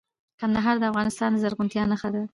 کندهار د افغانستان د زرغونتیا نښه ده.